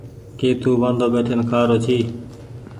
ڪي تو وآندو ٻيٺين کآرو ڇي۔